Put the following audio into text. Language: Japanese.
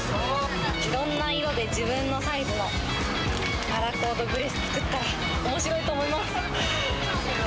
いろんな色で自分のサイズのパラコードブレス、作れたらおもしろいと思います。